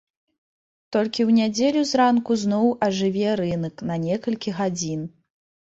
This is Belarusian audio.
Толькі ў нядзелю з ранку зноў ажыве рынак на некалькі гадзін.